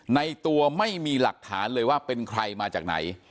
ในตัวไม่มีหลักฐานเลยว่าเป็นใครมาจากไหน